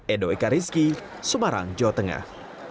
edo ika rizki semarang jawa tengah